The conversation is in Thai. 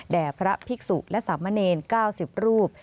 พระภิกษุและสามเณร๙๐รูป